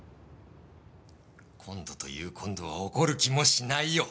今度という今度は怒る気もしないよ。